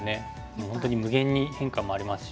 もう本当に無限に変化もありますし。